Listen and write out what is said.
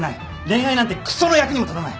恋愛なんてくその役にも立たない。